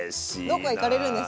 どこか行かれるんですか？